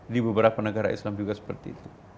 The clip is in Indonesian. di beberapa negara islam juga seperti itu